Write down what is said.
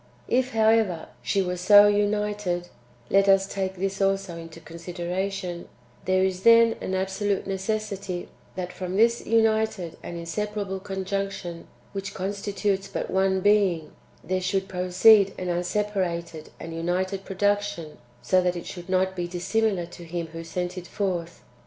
If, however, she was so united (let us take this also into consideration), there is then an absolute neces sity, that from this united and inseparable conjunction, which constitutes but one being, there^ should proceed an unsepa rated and united production, so that it should not be dis similar to Him who sent it forth.